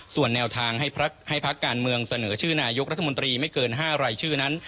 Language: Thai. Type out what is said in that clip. ส่วนแนวทางให้พักการเมืองเสนอชื่อนายกรัฐมนตรีไม่เกิน๕รายชื่อนั้น